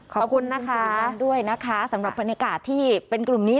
ขอบคุณนะคะด้วยนะคะสำหรับบรรยากาศที่เป็นกลุ่มนี้